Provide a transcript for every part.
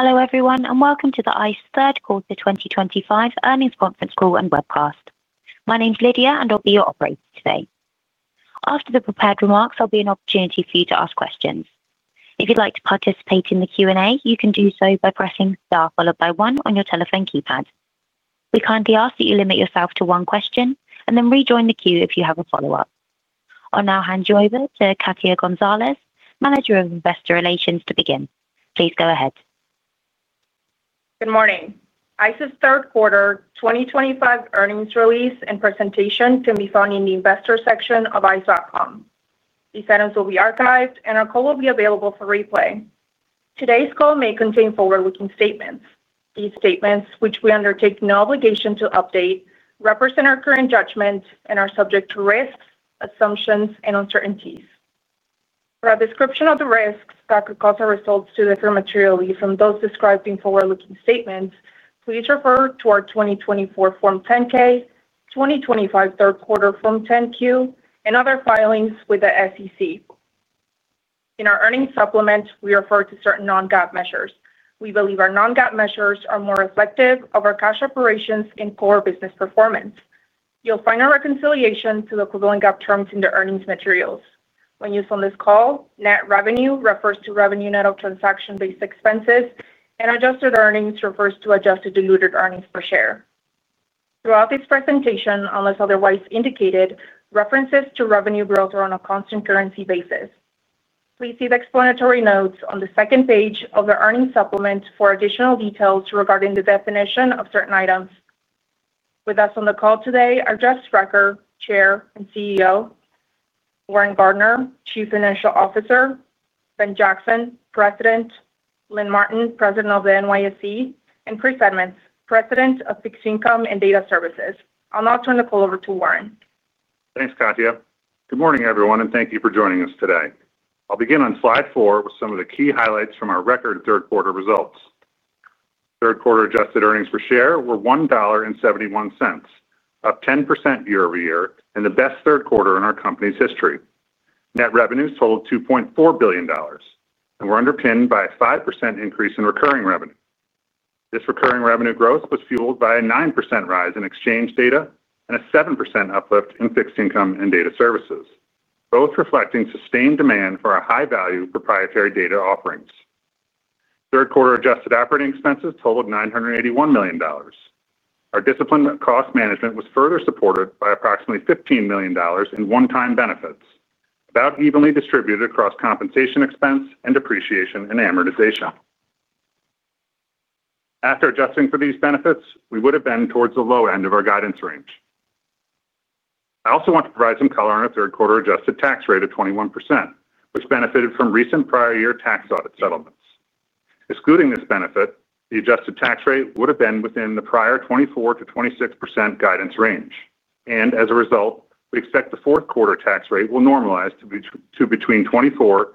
Hello everyone and welcome to the ICE third quarter 2025 earnings conference call and webcast. My name is Lydia and I'll be your operator today. After the prepared remarks, there'll be an opportunity for you to ask questions. If you'd like to participate in the Q&A, you can do so by pressing Star followed by one on your telephone keypad. We kindly ask that you limit yourself to one question and then rejoin the queue if you have a follow up. I'll now hand you over to Katia Gonzalez, Manager of Investor Relations, to begin. Please go ahead. Good morning. ICE's third quarter 2025 earnings release and presentation can be found in the investor section of ice.com. These items will be archived and our call will be available for replay. Today's call may contain forward-looking statements. These statements, which we undertake no obligation to update, represent our current judgment and are subject to risks, assumptions, and uncertainties. For a description of the risks that could cause our results to differ materially from those described in forward-looking statements, please refer to our 2024 Form 10-K, 2025 third quarter Form 10-Q, and other filings with the SEC. In our earnings supplement, we refer to certain Non-GAAP measures. We believe our Non-GAAP measures are more reflective of our cash operations and core business performance. You'll find a reconciliation to the equivalent GAAP terms in the earnings materials. When used on this call, net revenue refers to revenue net of transaction-based expenses and adjusted earnings refers to adjusted diluted earnings per share. Throughout this presentation, unless otherwise indicated, references to revenue growth are on a constant currency basis. Please see the explanatory notes on the second page of the earnings supplement for additional details regarding the definition of certain items. With us on the call today are Jeff Sprecher, Chair and CEO; Warren Gardiner, Chief Financial Officer; Ben Jackson, President; Lynn Martin, President of the NYSE; and Chris Edmonds, President of Fixed Income and Data Services. I'll now turn the call over to Warren. Thanks, Katia. Good morning, everyone, and thank you for joining us today. I'll begin on Slide 4 with some of the key highlights from our record third quarter results. Third quarter adjusted earnings per share were $1.71, up 10% year-over-year and the best third quarter in our company's history. Net revenues totaled $2.4 billion and were underpinned by a 5% increase in recurring revenue. This recurring revenue growth was fueled by a 9% rise in exchange data and a 7% uplift in fixed income and data services, both reflecting sustained demand for our high value proprietary data offerings. Third quarter adjusted operating expenses totaled $981 million. Our disciplined cost management was further supported by approximately $15 million in one-time benefits, about evenly distributed across compensation, expense, and depreciation and amortization. After adjusting for these benefits, we would have been towards the low end of our guidance range. I also want to provide some color on our third quarter adjusted tax rate of 21%, which benefited from recent prior year tax audit settlements. Excluding this benefit, the adjusted tax rate would have been within the prior 24%-26% guidance range, and as a result, we expect the fourth quarter tax rate will normalize to between 24%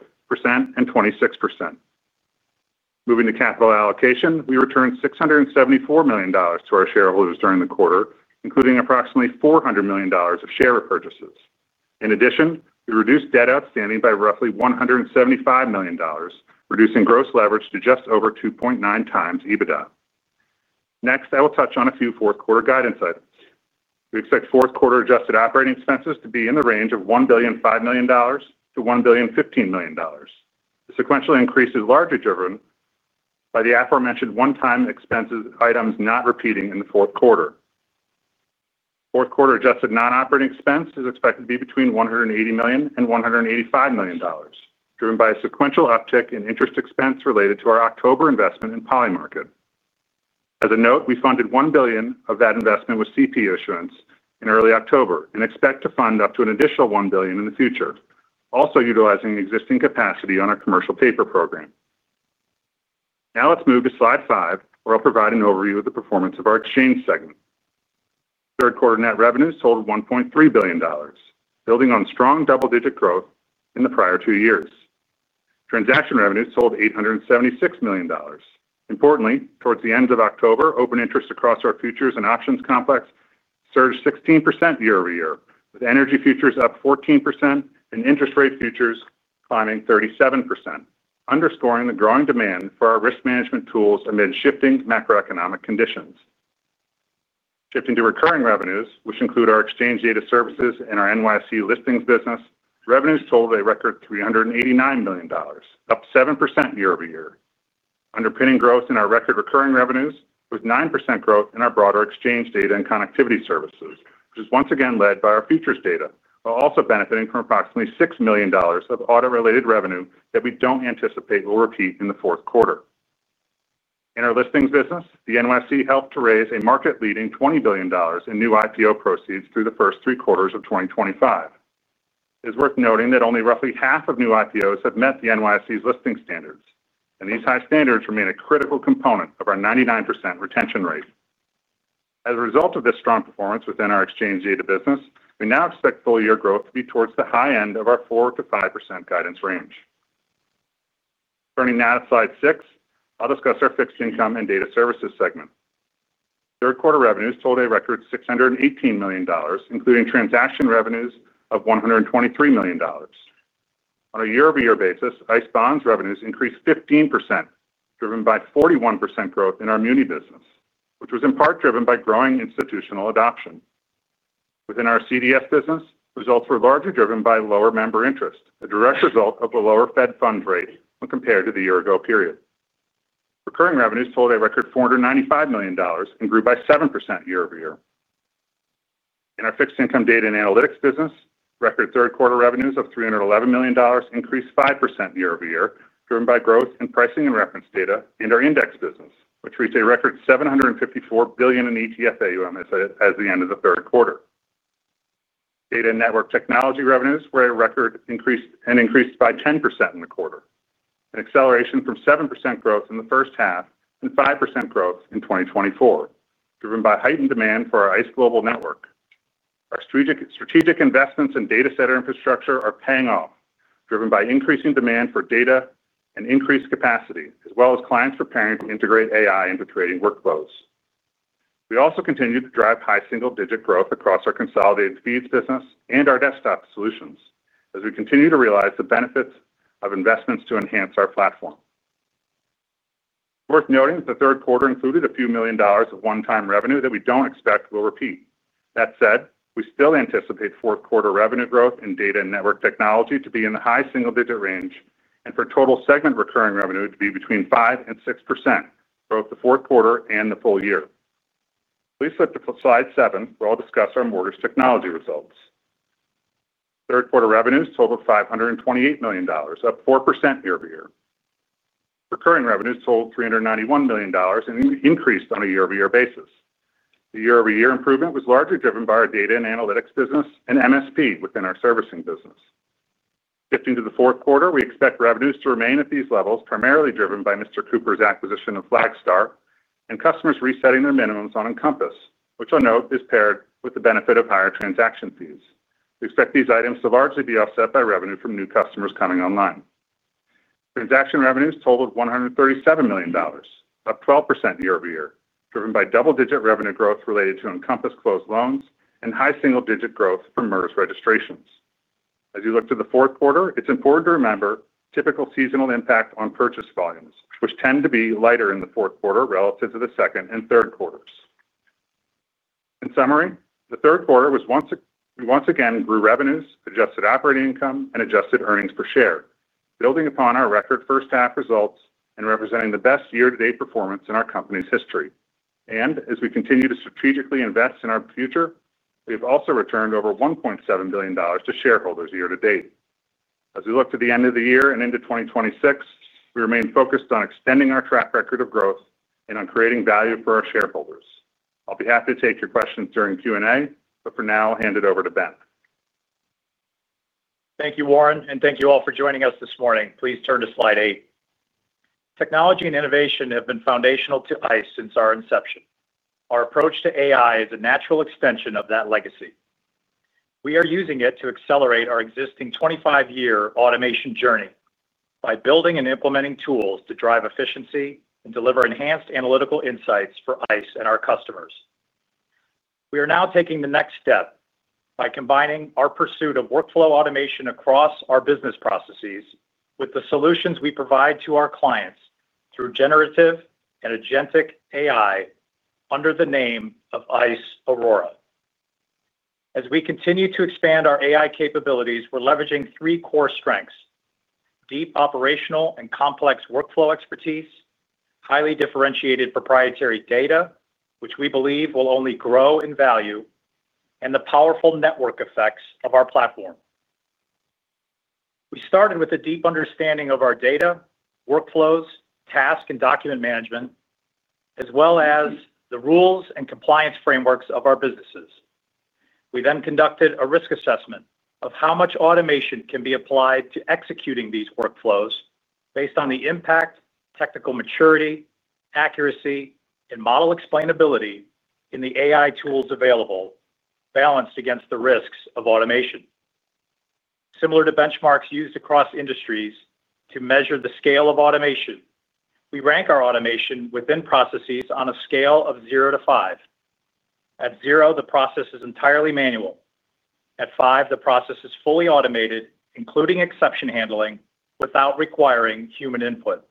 and 26%. Moving to capital allocation, we returned $674 million to our shareholders during the quarter, including approximately $400 million of share repurchases. In addition, we reduced debt outstanding by roughly $175 million, reducing gross leverage to just over 2.9 times EBITDA. Next, I will touch on a few fourth quarter guidance items. We expect fourth quarter adjusted operating expenses to be in the range of $1.005 billion-$1.015 billion. The sequential increase is largely driven by the aforementioned one-time expenses items not repeating in the fourth quarter. Fourth quarter adjusted non-operating expense is expected to be between $180 million and $185 million, driven by a sequential uptick in interest expense related to our October investment in Polymarket. As a note, we funded $1 billion of that investment with CP issuance in early October and expect to fund up to an additional $1 billion in the future, also utilizing existing capacity on our commercial paper program. Now let's move to Slide 5 where I'll provide an overview of the performance of our Exchange segment. Third quarter net revenues totaled $1.3 billion, building on strong double-digit growth in the prior two years. Transaction revenue totaled $876 million. Importantly, towards the end of October, open interest across our futures and options complex surged 16% year-over-year, with energy futures up 14% and interest rate futures climbing 37%, underscoring the growing demand for our risk management tools amid shifting macroeconomic conditions. Shifting to recurring revenues, which include our exchange data services and our NYSE listings business, revenues totaled a record $389 million, up 7% year-over-year. Underpinning growth in our record recurring revenues was 9% growth in our broader exchange data and connectivity services, which is once again led by our futures data while also benefiting from approximately $6 million of audit-related revenue that we don't anticipate will repeat in the fourth quarter. In our listings business, the NYSE helped to raise a market-leading $20 billion in new IPO proceeds through the first three quarters of 2025. It is worth noting that only roughly half of new IPOs have met the NYSE's listing standards, and these high standards remain a critical component of our 99% retention rate. As a result of this strong performance within our exchange data business, we now expect full year growth to be towards the high end of our 4%-5% guidance range. Turning now to slide 6, I'll discuss our fixed income and data services segment. Third quarter revenues totaled a record $618 million, including transaction revenues of $123 million. On a year-over-year basis, ICE Bonds revenues increased 15%, driven by 41% growth in our muni business, which was in part driven by growing institutional adoption. Within our CDS business, results were largely driven by lower member interest, a direct result of the lower fed funds rate. When compared to the year-ago period, recurring revenues totaled a record $495 million and grew by 7% year-over-year. In our fixed income data and analytics business, record third quarter revenues of $311 million increased 5% year-over-year, driven by growth in pricing and reference data and our index business, which reached a record $754 billion in ETF AUM as of the end of the third quarter. Data and network technology revenues were a record and increased by 10% in the quarter, an acceleration from 7% growth in the first half and 5% growth in 2024, driven by heightened demand for our ICE Global Network. Our strategic investments in data center infrastructure are paying off, driven by increasing demand for data and increased capacity as well as clients preparing to integrate AI into trading workflows. We also continue to drive high single-digit growth across our Consolidated Feeds business and our desktop solutions as we continue to realize the benefits of investments to enhance our platform. Worth noting, the third quarter included a few million dollars of one-time revenue that we don't expect will repeat. That said, we still anticipate fourth quarter revenue growth in Data and Network Technology to be in the high single-digit range and for total segment recurring revenue to be between 5% and 6% for both the fourth quarter and the full year. Please look to slide 7 where I'll discuss our Mortgage Technology results. Third quarter revenues totaled $528 million, up 4% year-over-year. Recurring revenues total $391 million and increased on a year-over-year basis. The year-over-year improvement was largely driven by our Data and Analytics business and MSP within our Servicing business. Shifting to the fourth quarter, we expect revenues to remain at these levels, primarily driven by Mr. Cooper's acquisition of Flagstar and customers resetting their minimums on Encompass, which I note is paired with the benefit of higher transaction fees. We expect these items to largely be offset by revenue from new customers coming online. Transaction revenues totaled $137 million, up 12% year-over-year, driven by double-digit revenue growth related to Encompass closed loans and high single-digit growth from MERS registrations. As you look to the fourth quarter, it's important to remember typical seasonal impact on purchase volumes, which tend to be lighter in the fourth quarter relative to the second and third quarters. In summary, the third quarter once again grew revenues, adjusted operating income, and adjusted earnings per share, building upon our record first half results and representing the best year-to-date performance in our company's history. As we continue to strategically invest in our future, we've also returned over $1.7 billion to shareholders year to date. As we look to the end of the year and into 2026, we remain focused on extending our track record of growth and on creating value for our shareholders. I'll be happy to take your questions during Q&A, but for now I'll hand it over to Ben. Thank you, Warren, and thank you all for joining us this morning. Please turn to slide 8. Technology and innovation have been foundational to Intercontinental Exchange since our inception. Our approach to AI is a natural extension of that legacy. We are using it to accelerate our existing 25-year automation journey by building and implementing tools to drive efficiency and deliver enhanced analytical insights for Intercontinental Exchange and our customers. We are now taking the next step by combining our pursuit of workflow automation across our business processes with the solutions we provide to our clients through generative and agentic AI under the name of ICE Aurora. As we continue to expand our AI capabilities, we're leveraging three core strengths: deep operational and complex workflow expertise, highly differentiated proprietary data which we believe will only grow in value, and the powerful network effects of our platform. We started with a deep understanding of our data, workflows, task and document management, as well as the rules and compliance frameworks of our businesses. We then conducted a risk assessment of how much automation can be applied to executing these workflows based on the impact, technical maturity, accuracy, and model explainability in the AI tools available, balanced against the risks of automation, similar to benchmarks used across industries. To measure the scale of automation, we rank our automation within processes on a scale of 0-5. At 0, the process is entirely manual. At 5, the process is fully automated, including exception handling without requiring human input.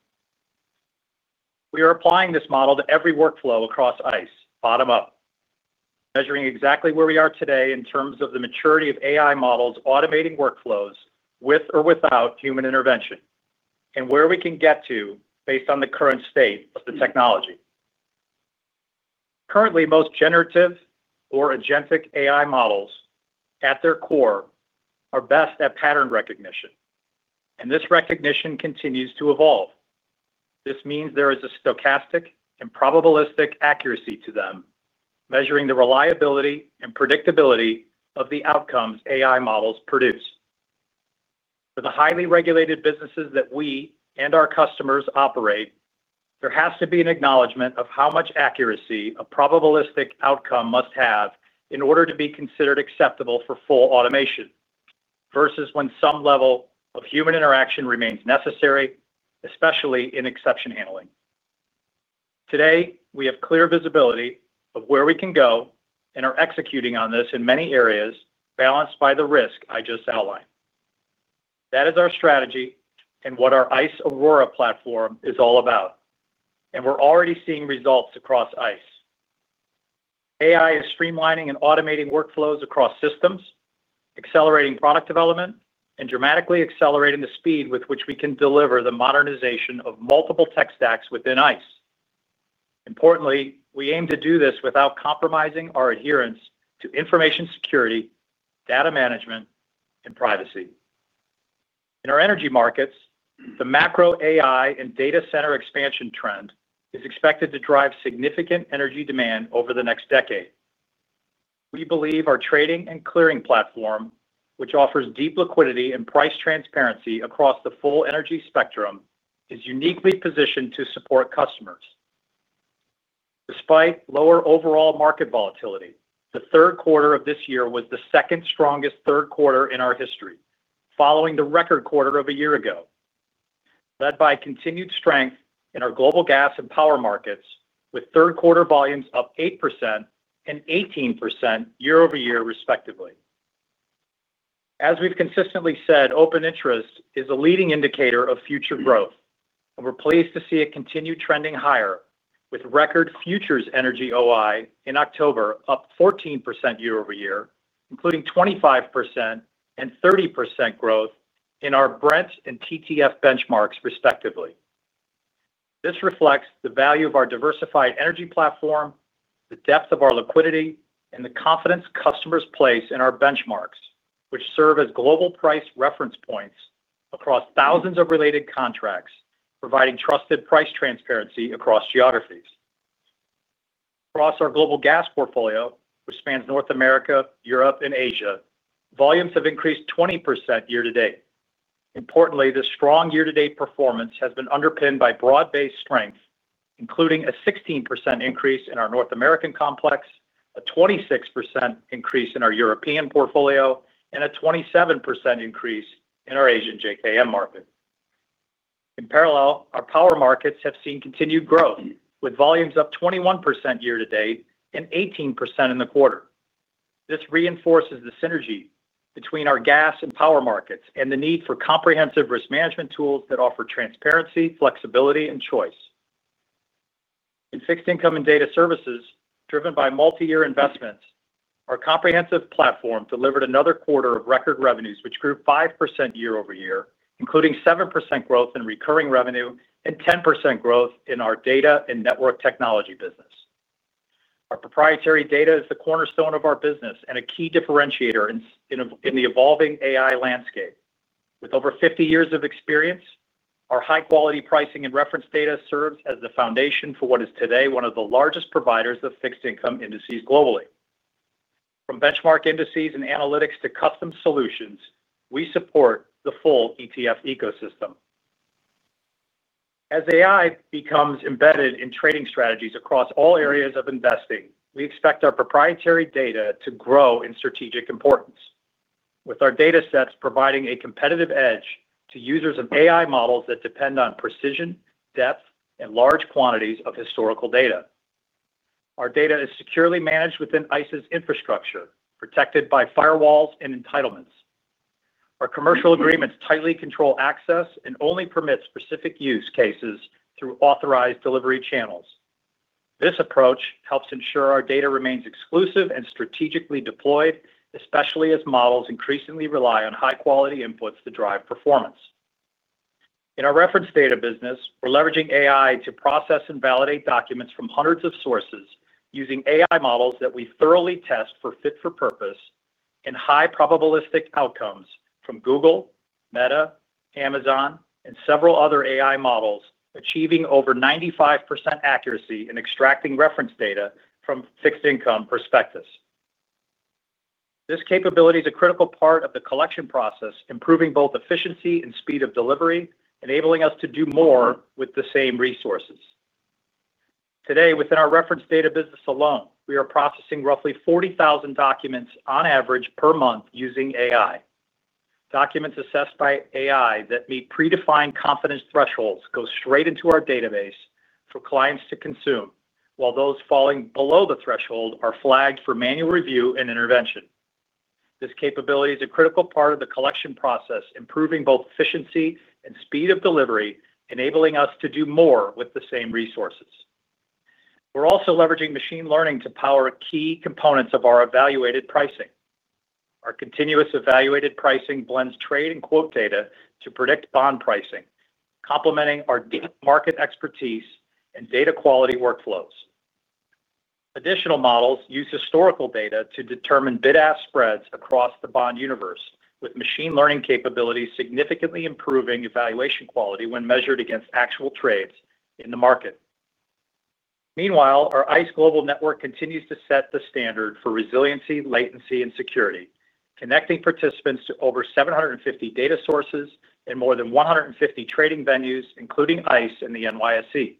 We are applying this model to every workflow across Intercontinental Exchange bottom up, measuring exactly where we are today in terms of the maturity of AI models, automating workflows with or without human intervention, and where we can get to based on the current state of the technology. Currently, most generative or agentic AI models at their core are best at pattern recognition, and this recognition continues to evolve. This means there is a stochastic and probabilistic accuracy to them, measuring the reliability and predictability of the outcomes AI models produce for the highly regulated businesses that we and our customers operate. There has to be an acknowledgment of how much accuracy a probabilistic outcome must have in order to be considered acceptable for full automation versus when some level of human interaction remains necessary, especially in exception handling. Today we have clear visibility of where we can go and are executing on this in many areas, balanced by the risk I just outlined. That is our strategy and what our ICE Aurora platform is all about, and we're already seeing results across ICE. AI is streamlining and automating workflows across systems, accelerating product development and dramatically accelerating the speed with which we can deliver the modernization of multiple tech stacks within ICE. Importantly, we aim to do this without compromising our adherence to information security, data management, and privacy. In our energy markets, the macro AI and data center expansion trend is expected to drive significant energy demand over the next decade. We believe our trading and clearing platform, which offers deep liquidity and price transparency across the full energy spectrum, is uniquely positioned to support customers despite lower overall market volatility. The third quarter of this year was the second strongest third quarter in our history following the record quarter of a year ago, led by continued strength in our global gas and power markets, with third quarter volumes up 8% and 18% year-over-year, respectively. As we've consistently said, open interest is a leading indicator of future growth, and we're pleased to see it continue trending higher with record Futures Energy OI in October up 14% year-over-year, including 25% and 30% growth in our Brent and TTF benchmarks, respectively. This reflects the value of our diversified energy platform, the depth of our liquidity, and the confidence customers place in our benchmarks, which serve as global price reference points across thousands of related contracts, providing trusted price transparency across geographies. Across our global gas portfolio, which spans North America, Europe, and Asia, volumes have increased 20% year to date. Importantly, the strong year to date performance has been underpinned by broad-based strength, including a 16% increase in our North American complex, a 26% increase in our European portfolio, and a 27% increase in our Asian JKM market. In parallel, our power markets have seen continued growth with volumes up 21% year to date and 18% in the quarter. This reinforces the synergy between our gas and power markets and the need for comprehensive risk management tools that offer transparency, flexibility, and choice in fixed income and data services. Driven by multi-year investments, our comprehensive platform delivered another quarter of record revenues, which grew 5% year-over-year, including 7% growth in recurring revenue and 10% growth in our data and network technology business. Our proprietary data is the cornerstone of our business and a key differentiator in the evolving AI landscape. With over 50 years of experience, our high-quality pricing and reference data serves as the foundation for what is today one of the largest providers of fixed income indices globally. From benchmark indices and analytics to custom solutions, we support the full ETF ecosystem. As AI becomes embedded in trading strategies across all areas of investing, we expect our proprietary data to grow in strategic importance, with our data sets providing a competitive edge to users of AI models that depend on precision, depth, and large quantities of historical data. Our data is securely managed within ICE's infrastructure, protected by firewalls and entitlements. Our commercial agreements tightly control access and only permit specific use cases through authorized delivery channels. This approach helps ensure our data remains exclusive and strategically deployed, especially as models increasingly rely on high-quality inputs to drive performance. In our reference data business, we're leveraging AI to process and validate documents from hundreds of sources using AI models that we thoroughly test for fit for purpose and high probabilistic outcomes from Google, Meta, Amazon, and several other AI models, achieving over 95% accuracy in extracting reference data from fixed income prospectus. This capability is a critical part of the collection process, improving both efficiency and speed of delivery, enabling us to do more with the same resources. Today, within our reference data business alone, we are processing roughly 40,000 documents on average per month using AI. Documents assessed by AI that meet predefined confidence thresholds go straight into our database for clients to consume, while those falling below the threshold are flagged for manual review and intervention. This capability is a critical part of the collection process, improving both efficiency and speed of delivery, enabling us to do more with the same resources. We're also leveraging machine learning to power key components of our evaluated pricing. Our continuous evaluated pricing blends trade and quote data to predict bond pricing, complementing our deep market expertise and data quality workflows. Additional models use historical data to determine bid-ask spreads across the bond universe, with machine learning capabilities significantly improving evaluation quality when measured against actual trades in the market. Meanwhile, our ICE Global Network continues to set the standard for resiliency, latency, and security, connecting participants to over 750 data sources and more than 150 trading venues, including ICE and the NYSE.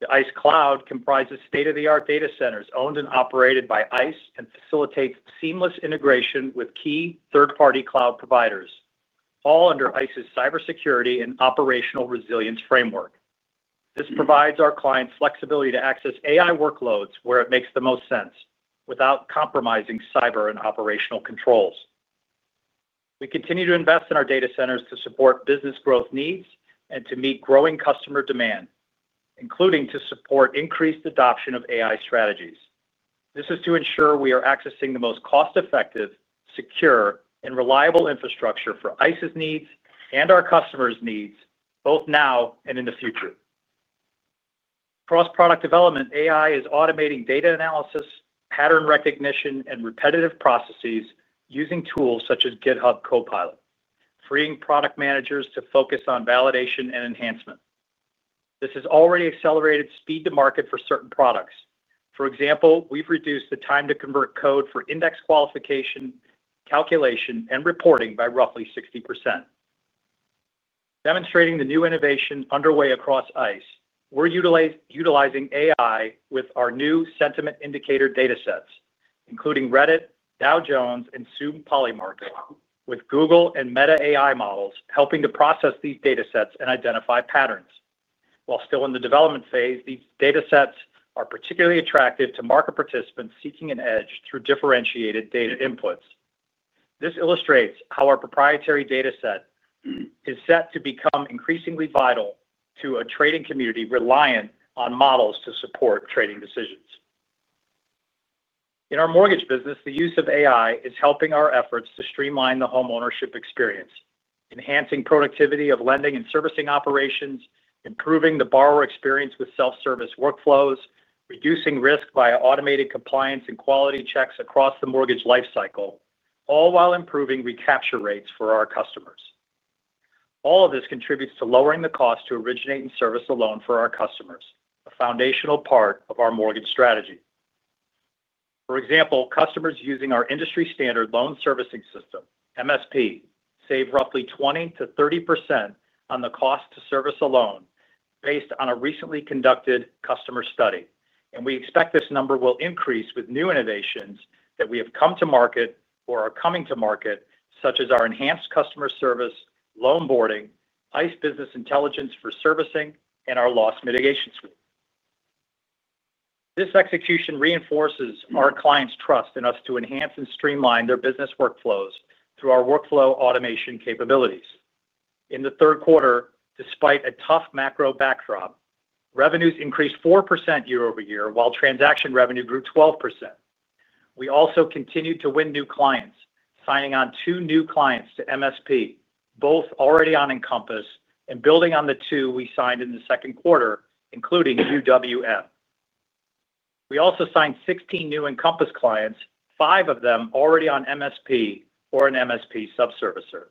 The ICE Cloud comprises state-of-the-art data centers owned and operated by ICE and facilitates seamless integration with key third-party cloud providers, all under ICE's cybersecurity and Operational Resilience framework. This provides our clients flexibility to access AI workloads where it makes the most sense without compromising cyber and operational controls. We continue to invest in our data centers to support business growth needs and to meet growing customer demand, including to support increased adoption of AI strategies. This is to ensure we are accessing the most cost-effective, secure, and reliable infrastructure for ICE's needs and our customers' needs both now and in the future. Cross Product Development AI is automating data analysis, pattern recognition, and repetitive processes using tools such as GitHub Copilot, freeing product managers to focus on validation and enhancement. This has already accelerated speed to market for certain products. For example, we've reduced the time to convert code for index qualification calculation and reporting by roughly 60%, demonstrating the new innovation underway across ICE. We're utilizing AI with our new sentiment indicator data sets, including Reddit, Dow Jones, and soon Polymarket, with Google and Meta AI models helping to process these data sets and identify patterns. While still in the development phase, these data sets are particularly attractive to market participants seeking an edge through differentiated data inputs. This illustrates how our proprietary data set is set to become increasingly vital to a trading community reliant on models to support trading decisions. In our mortgage business, the use of AI is helping our efforts to streamline the homeownership experience, enhancing productivity of lending and servicing operations, improving the borrower experience with self-service workflows, reducing risk via automated compliance and quality checks across the mortgage lifecycle, all while improving recapture rates for our customers. All of this contributes to lowering the cost to originate and service the loan for our customers, a foundational part of our mortgage strategy. For example, customers using our industry standard loan servicing system MSP save roughly 20%-30% on the cost to service alone based on a recently conducted customer study, and we expect this number will increase with new innovations that we have come to market or are coming to market, such as our enhanced customer service loan boarding, ICE Business Intelligence for servicing, and our Loss Mitigation suite. This execution reinforces our clients' trust in us to enhance and streamline their business workflows through our workflow automation capabilities. In the third quarter, despite a tough macro backdrop, revenues increased 4% year-over-year while transaction revenue grew 12%. We also continued to win new clients, signing on two new clients to MSP, both already on Encompass and building on the two we signed in the second quarter, including UWM. We also signed 16 new Encompass clients, five of them already on MSP or an MSP subservicer.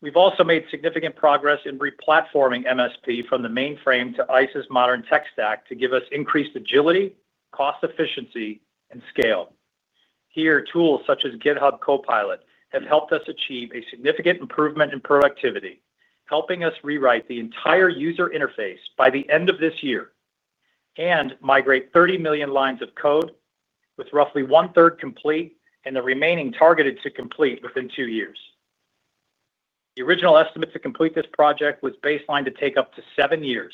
We've also made significant progress in replatforming MSP from the mainframe to ICE's modern tech stack to give us increased agility, cost efficiency, and scale. Here, tools such as GitHub Copilot have helped us achieve a significant improvement in productivity, helping us rewrite the entire user interface by the end of this year and migrate 30 million lines of code with roughly one-third complete and the remaining targeted to complete within two years. The original estimate to complete this project was baseline to take up to seven years,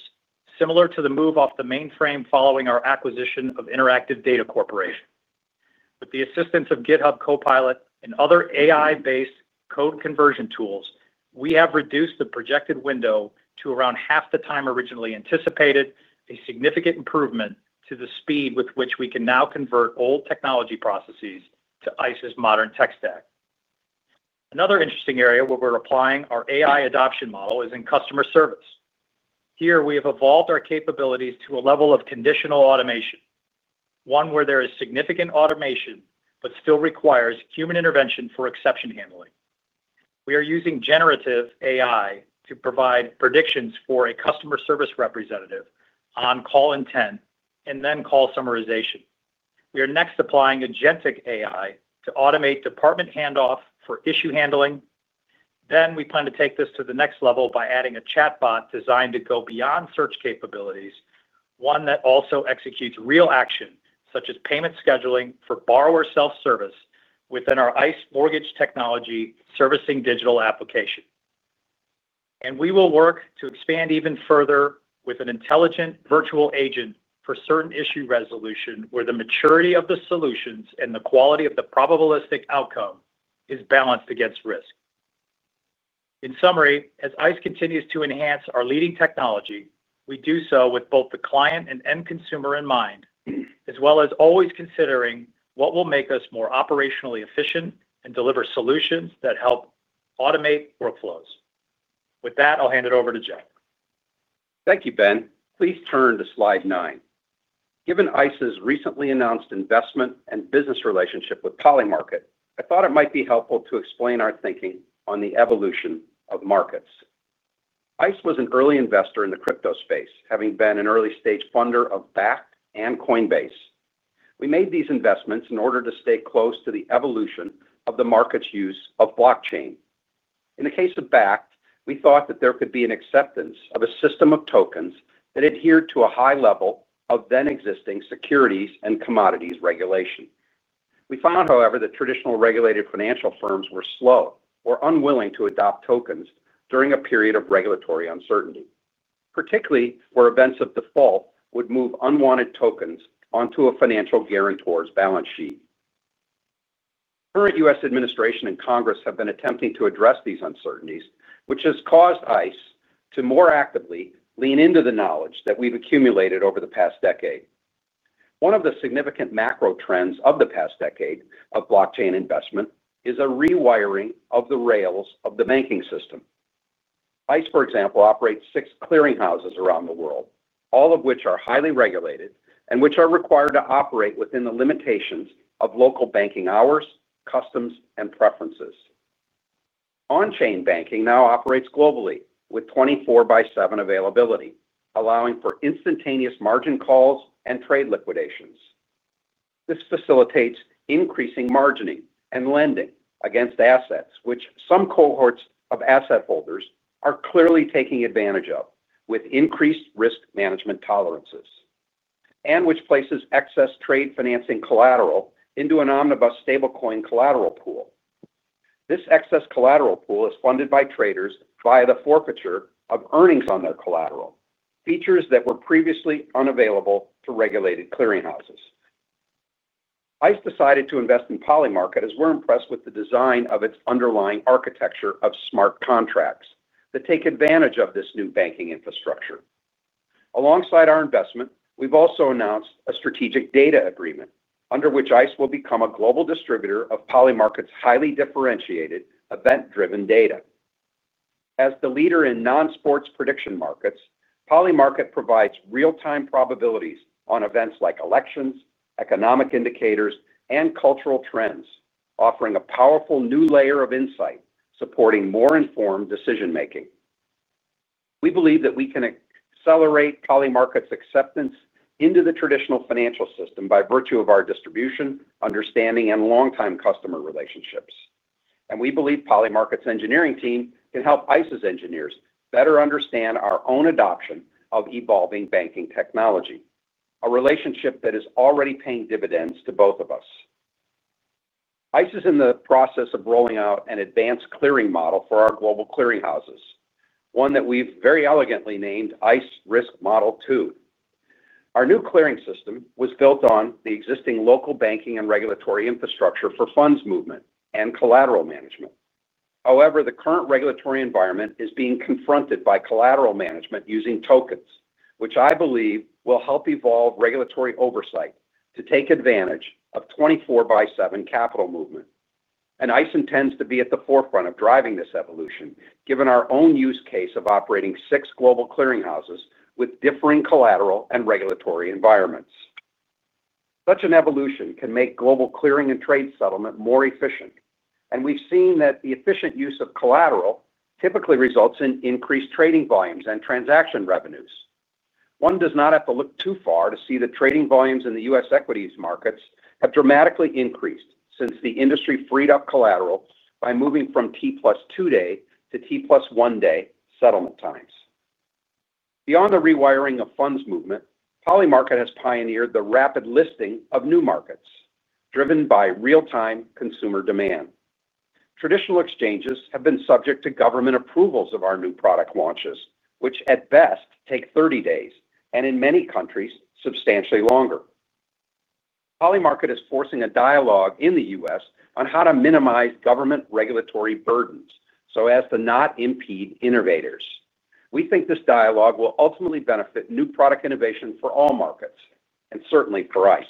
similar to the move off the mainframe following our acquisition of Interactive Data Corporation. With the assistance of GitHub Copilot and other AI-based code conversion tools, we have reduced the projected window to around half the time originally anticipated, a significant improvement to the speed with which we can now convert old technology processes to ICE's modern tech stack. Another interesting area where we're applying our AI adoption model is in customer service. Here we have evolved our capabilities to a level of conditional automation, one where there is significant automation but still requires human intervention for exception handling. We are using generative AI to provide predictions for a customer service representative on call intent and then call summarization. We are next applying agentic AI to automate department handoff for issue handling. We plan to take this to the next level by adding a chatbot designed to go beyond search capabilities, one that also executes real action such as payment scheduling for borrower self service within our ICE Mortgage Technology servicing digital application. We will work to expand even further with an intelligent virtual agent for certain issue resolution where the maturity of the solutions and the quality of the probabilistic outcome is balanced against risk. In summary, as ICE continues to enhance our leading technology, we do so with both the client and end consumer in mind as well as always considering what will make us more operationally efficient and deliver solutions that help automate workflows. With that, I'll hand it over to Jeff. Thank you, Ben. Please turn to Slide 9. Given ICE's recently announced investment and business relationship with Polymarket, I thought it might be helpful to explain our thinking on the evolution of markets. ICE was an early investor in the crypto space, having been an early stage funder of Bakkt and Coinbase. We made these investments in order to stay close to the evolution of the market's use of blockchain. In the case of Bakkt, we thought that there could be an acceptance of a system of tokens that adhered to a high level of then existing securities and commodities regulation. We found, however, that traditional regulated financial firms were slow or unwilling to adopt tokens during a period of regulatory uncertainty, particularly where events of default would move unwanted tokens onto a financial guarantor's balance sheet. Current U.S. Administration and Congress have been attempting to address these uncertainties, which has caused ICE to more actively lean into the knowledge that we've accumulated over the past decade. One of the significant macro trends of the past decade of blockchain investment is a rewiring of the rails of the banking system. ICE, for example, operates six clearinghouses around the world, all of which are highly regulated and which are required to operate within the limitations of local banking hours, customs, and preferences. On chain banking now operates globally with 24x7 availability, allowing for instantaneous margin calls and trade liquidations. This facilitates increasing margining and lending against assets, which some cohorts of asset holders are clearly taking advantage of with increased risk management tolerances and which places excess trade financing collateral into an omnibus stablecoin collateral pool. This excess collateral pool is funded by traders via the forfeiture of earnings on their collateral, features that were previously unavailable to regulated clearinghouses. ICE decided to invest in Polymarket as we're impressed with the design of its underlying architecture of smart contracts that take advantage of this new banking infrastructure. Alongside our investment, we've also announced a Strategic Data Agreement under which ICE will become a global distributor of Polymarket's highly differentiated event driven data. As the leader in non-sports prediction markets, Polymarket provides real-time probabilities on events like elections, economic indicators, and cultural trends, offering a powerful new layer of insight supporting more informed decision making. We believe that we can accelerate Polymarket's acceptance into the traditional financial system by virtue of our distribution, understanding, and longtime customer relationships. We believe Polymarket's engineering team can help ICE's engineers better understand our own adoption of evolving banking technology, a relationship that is already paying dividends to both of us. ICE is in the process of rolling out an advanced clearing model for our global clearinghouses, one that we've very elegantly named ICE Risk Model 2. Our new clearing system was built on the existing local banking and regulatory infrastructure for funds movement and collateral management. However, the current regulatory environment is being confronted by collateral management using tokens, which I believe will help evolve regulatory oversight to take advantage of 24 by 7 capital movement, and ICE intends to be at the forefront of driving this evolution. Given our own use case of operating six global clearinghouses with differing collateral and regulatory environments, such an evolution can make global clearing and trade settlement more efficient, and we've seen that the efficient use of collateral typically results in increased trading volumes and transaction revenues. One does not have to look too far to see that trading volumes in the U.S. equities markets have dramatically increased since the industry freed up collateral by moving from T+2 day to T+1 day settlement times. Beyond the rewiring of funds movement, Polymarket has pioneered the rapid listing of new markets driven by real-time consumer demand. Traditional exchanges have been subject to government approvals of our new product launches, which at best take 30 days and in many countries substantially longer. Polymarket is forcing a dialogue in the U.S. on how to minimize government regulatory burdens so as to not impede innovators. We think this dialogue will ultimately benefit new product innovation for all markets and certainly for ICE.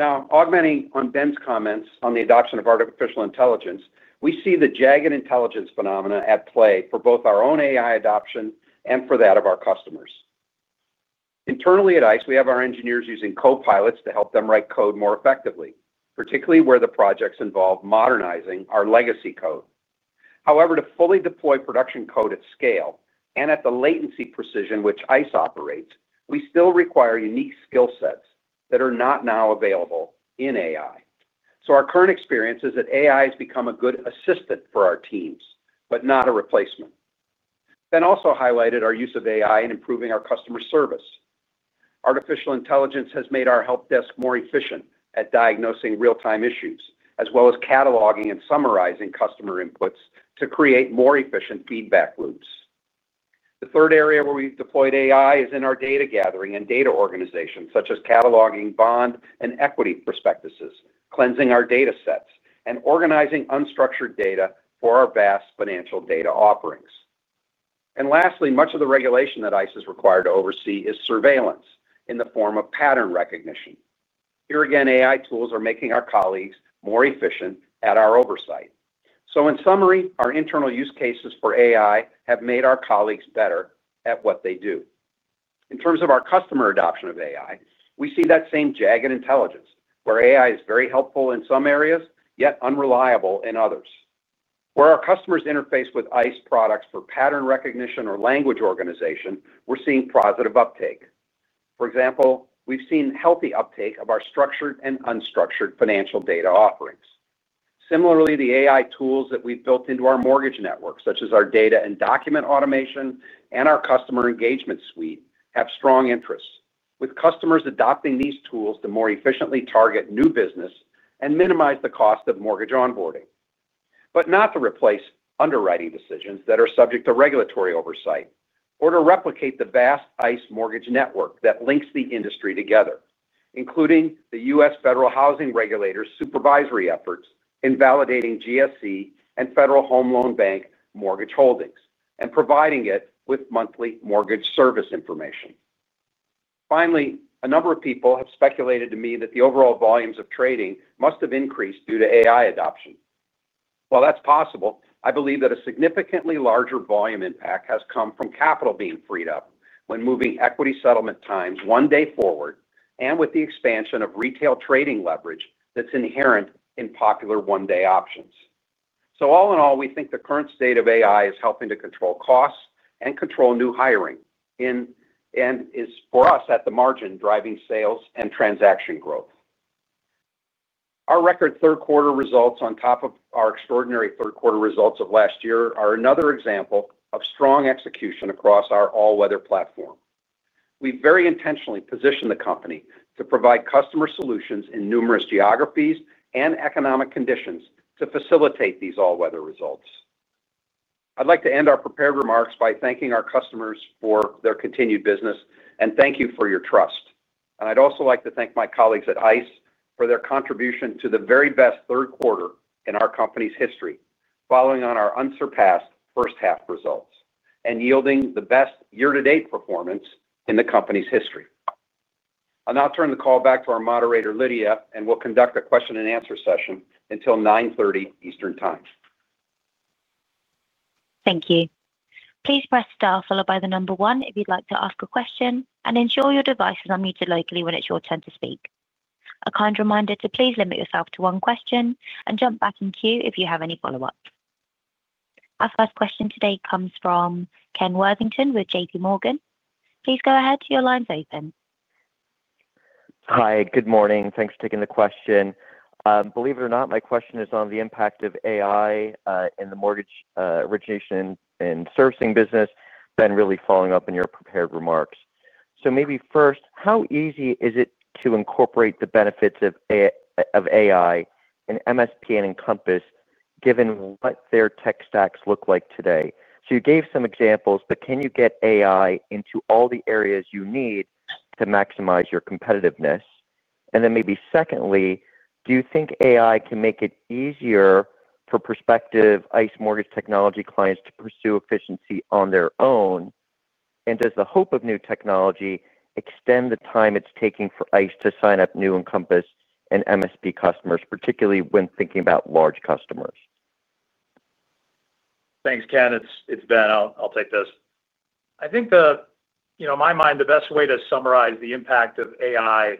Now, augmenting on Ben's comments on the adoption of artificial intelligence, we see the jagged intelligence phenomena at play for both our own AI adoption and for that of our customers. Internally at ICE, we have our engineers using Copilot to help them write code more effectively, particularly where the projects involve modernizing our legacy code. However, to fully deploy production code at scale and at the latency precision which ICE operates, we still require unique skill sets that are not now available in AI. Our current experience is that AI has become a good assistant for our teams, but not a replacement. Ben also highlighted our use of AI in improving our customer service. Artificial intelligence has made our help desk more efficient at diagnosing real-time issues as well as cataloging and summarizing customer inputs to create more efficient feedback loops. The third area where we've deployed AI is in our data gathering and data organization, such as cataloging bond and equity prospectuses, cleansing our data sets, and organizing unstructured data for our vast financial data offerings. Much of the regulation that ICE is required to oversee is surveillance in the form of pattern recognition. Here again, AI tools are making our colleagues more efficient at our oversight. In summary, our internal use cases for AI have made our colleagues better at what they do. In terms of our customer adoption of AI, we see that same jagged intelligence where AI is very helpful in some areas yet unreliable in others. Where our customers interface with ICE products for pattern recognition or language organization, we're seeing positive uptake. For example, we've seen healthy uptake of our structured and unstructured financial data offerings. Similarly, the AI tools that we've built into our mortgage network, such as our Data and Document Automation and our Customer Engagement Suite, have strong interest with customers adopting these tools to more efficiently target new business and minimize the cost of mortgage onboarding, but not to replace underwriting decisions that are subject to regulatory oversight or to replicate the vast ICE mortgage network that links the industry together, including the U.S. Federal housing regulators' supervisory efforts, in validating GSE and Federal Home Loan Bank mortgage holdings and providing it with monthly mortgage service information. Finally, a number of people have speculated to me that the overall volumes of trading must have increased due to AI adoption. While that's possible, I believe that a significantly larger volume impact has come from capital being freed up when moving equity settlement times one day forward, and with the expansion of retail trading leverage that's inherent in popular one day options. All in all, we think the current state of AI is helping to control costs and control new hiring and is for us at the margin, driving sales and transaction growth. Our record third quarter results, on top of our extraordinary third quarter results of last year, are another example of strong execution across our All Weather platform. We very intentionally position the company to provide customer solutions in numerous geographies and economic conditions to facilitate these All Weather results. I'd like to end our prepared remarks by thanking our customers for their continued business and thank you for your trust. I'd also like to thank my colleagues at Intercontinental Exchange for their contribution to the very best third quarter in our company's history, following on our unsurpassed first half results and yielding the best year to date performance in the company's history. I'll now turn the call back to our moderator Lydia and we'll conduct a question-and-answer session until 9:30 A.M. Eastern Time. Thank you. Please press star followed by the number one if you'd like to ask a question, and ensure your device is unmuted locally when it's your turn to speak. A kind reminder to please limit yourself to one question and jump back in queue if you have any follow ups. Our first question today comes from Ken Worthington with J.P. Morgan. Please go ahead. Your line's open. Hi, good morning. Thanks for taking the question. Believe it or not, my question is on the impact of AI in the mortgage origination and servicing business. Ben, really following up in your prepared remarks. Maybe first, how easy is it to incorporate the benefits of AI? MSP and Encompass, given what their tech. Stacks look like today? You gave some examples, but can you get AI into all the areas you need to maximize your competitiveness? Maybe secondly, do you think. AI can make it easier for prospective. ICE Mortgage Technology clients to pursue efficiency on their own? Does the hope of new technology extend the time it's taking for ICE to sign up new Encompass and MSP customers, particularly when thinking about large customers? Thanks, Ken, it's Ben. I'll take this. I think the best way to summarize the impact of AI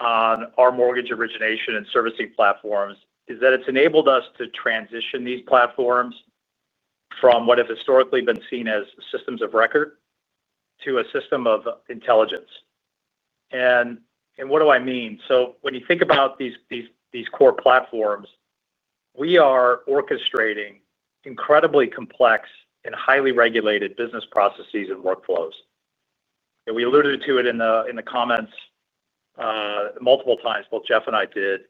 on our mortgage origination and servicing platforms is that it's enabled us to transition these platforms from what have historically been seen as systems of record to a system of intelligence. What do I mean? When you think about these core platforms, we are orchestrating incredibly complex and highly regulated business processes and workflows. We alluded to it in the comments multiple times, both Jeff and I did.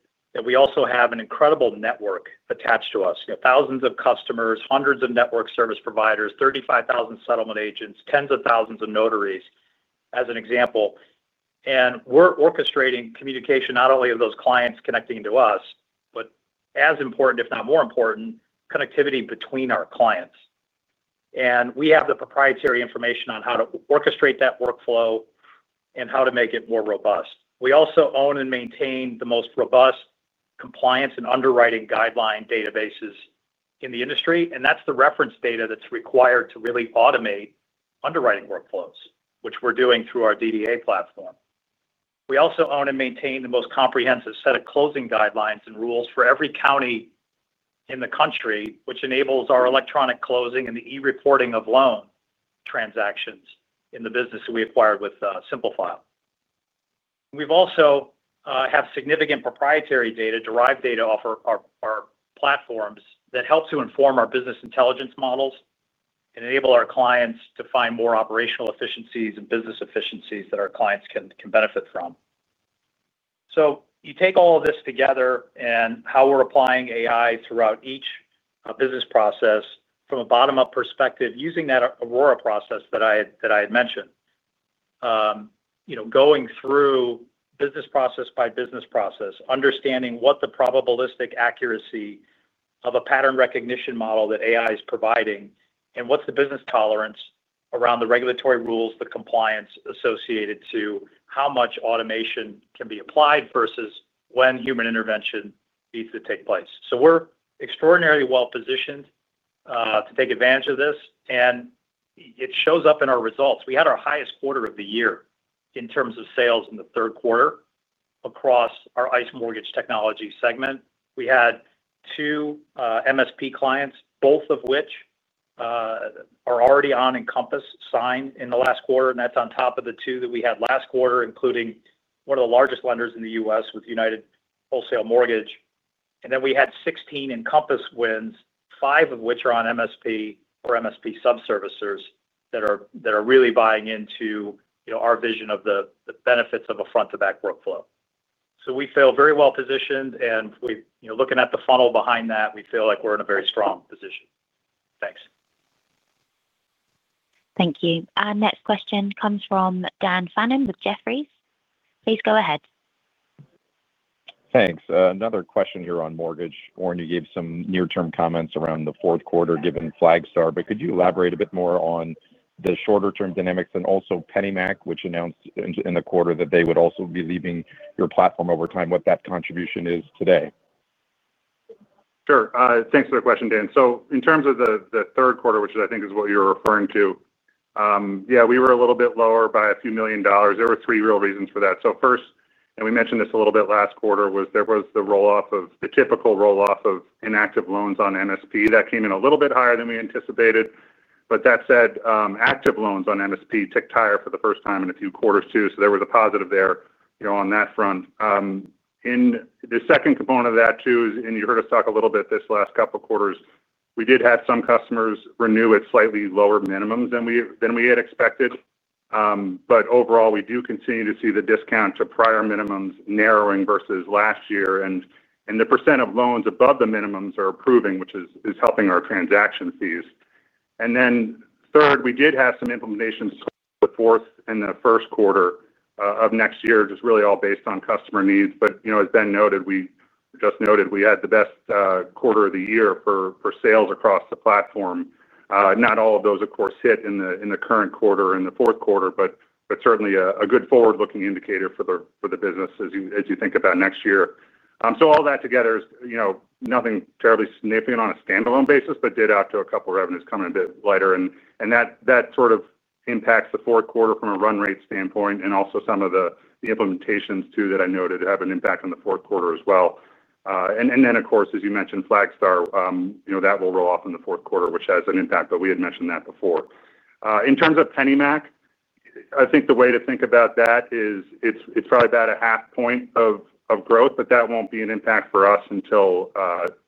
We also have an incredible network attached to us: thousands of customers, hundreds of network service providers, 35,000 settlement agents, tens of thousands of notaries as an example. We're orchestrating communication not only of those clients connecting to us but, as important, if not more important, connectivity between our clients. We have the proprietary information on how to orchestrate that workflow and how to make it more robust. We also own and maintain the most robust compliance and underwriting guideline databases in the industry. That's the reference data that's required to really automate underwriting workflows, which we're doing through our DDA platform. We also own and maintain the most comprehensive set of closing guidelines and rules for every county in the country, which enables our electronic closing and the e-reporting of loan transactions in the business that we acquired with Simple File. We also have significant proprietary data and derived data off our platforms that help to inform our business intelligence models and enable our clients to find more operational efficiencies and business efficiencies that our clients can benefit from. You take all of this together and how we're applying AI throughout each business process from a bottom-up perspective using that Aurora process that I had mentioned, going through business process by business process, understanding what the probabilistic accuracy of a pattern recognition model that AI is providing and what's the business tolerance around the regulatory rules, the compliance associated to how much automation can be applied versus when human intervention needs to take place. We're extraordinarily well positioned to take advantage of this and it shows up in our results. We had our highest quarter of the year in terms of sales in the third quarter across our ICE Mortgage Technology segment. We had 2 MSP clients, both of which are already on Encompass Sign in the last quarter, and that's on top of the two that we had last quarter, including one of the largest lenders in the U.S. with United Wholesale Mortgage. We had 16 Encompass wins, five of which are on MSP or MSP sub servicers that are really buying into our vision of the benefits of a front to back workflow. We feel very well positioned, and looking at the funnel behind that, we feel like we're in a very strong position. Thanks. Thank you. Our next question comes from Dan Fannon with Jefferies. Please go ahead. Thanks. Another question here on Mortgage. You gave some near term comments around. The fourth quarter, given Flagstar, could. You elaborate a bit more on the shorter term dynamics and also PennyMac, which. Announced in the quarter that they would. Also be leaving your platform over time. What that contribution is today. Sure. Thanks for the question, Dan. In terms of the third quarter, which I think is what you're referring to, yeah, we were a little bit lower by a few million dollars. There were three real reasons for that. First, and we mentioned this a little bit last quarter, there was the roll off of the typical roll off of inactive loans on MSP that came in a little bit higher than we anticipated. That said, active loans on MSP ticked higher for the first time in a few quarters too, so there was a positive there on that front. The second component of that is, and you heard us talk a little bit this last couple quarters, we did have some customers renew at slightly lower minimums than we had expected. Overall, we do continue to see the discount to prior minimums narrowing versus last year, and the % of loans above the minimums are improving, which is helping our transaction fees. Third, we did have some implementations for the first quarter of next year, really all based on customer needs. As Ben noted, we had the best quarter of the year for sales across the platform. Not all of those, of course, hit in the current quarter and the fourth quarter, but certainly a good forward-looking indicator for the business as you think about next year. All that together is nothing terribly significant on a standalone basis, but did add up to a couple revenues coming a bit lighter, and that sort of impacts the fourth quarter from a run rate standpoint. Also, some of the implementations that I noted have an impact on the fourth quarter as well. Of course, as you mentioned, Flagstar will roll off in the fourth quarter, which has an impact, but we had mentioned that before. In terms of PennyMac, I think the way to think about that is it's probably about a half point of growth, but that won't be an impact for us until